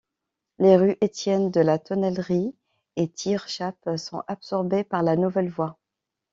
Les rues Étienne, de la Tonnellerie et Tirechappe sont absorbées par la nouvelle voie.